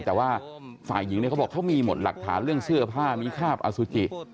แต่ว่าฝ่ายยิงเขาบอกเค้ามีหมดหลักฐานเรื่องเสื้อผ้ามิฆาตอสุจิ